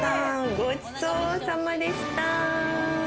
ごちそうさまでした。